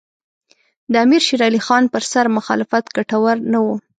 د امیر شېر علي خان پر سر مخالفت ګټور نه وو.